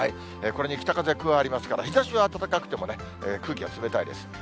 これに北風加わりますから、日ざしは暖かくてもね、空気は冷たいです。